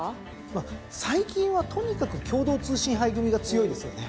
最近はとにかく共同通信杯組が強いですよね。